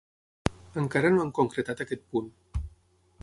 Encara no han concretat aquest punt.